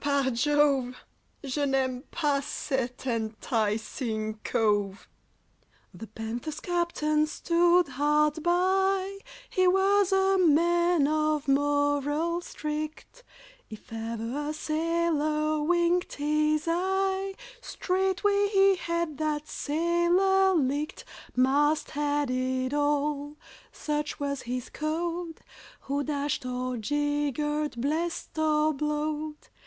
par Jove! Je n'aime pas cet enticing cove!" The Panther's captain stood hard by, He was a man of morals strict If e'er a sailor winked his eye, Straightway he had that sailor licked, Mast headed all (such was his code) Who dashed or jiggered, blessed or blowed.